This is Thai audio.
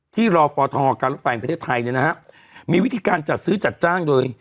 รอฟทการรถไฟแห่งประเทศไทยเนี่ยนะฮะมีวิธีการจัดซื้อจัดจ้างโดย